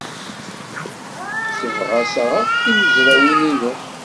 Ssebɣaseɣ akk timezrawin-inu.